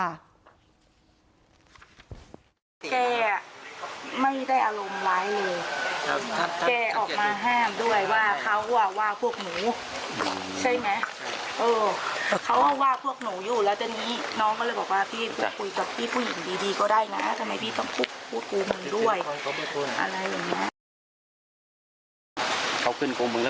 แกไม่ได้อารมณ์ไรเลย